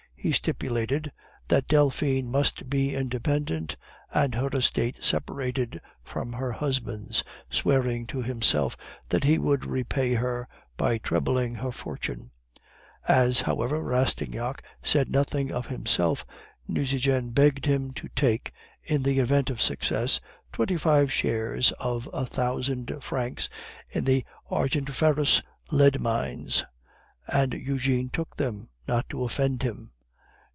He stipulated that Delphine must be independent and her estate separated from her husband's, swearing to himself that he would repay her by trebling her fortune. As, however, Rastignac said nothing of himself, Nucingen begged him to take, in the event of success, twenty five shares of a thousand francs in the argentiferous lead mines, and Eugene took them not to offend him!